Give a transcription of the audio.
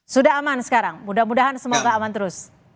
sudah aman sekarang mudah mudahan semoga aman terus